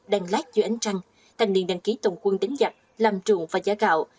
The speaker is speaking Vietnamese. đàn lát dưới ánh trăng thành niên đăng ký tổng quân đánh giặc làm trụ và giá gạo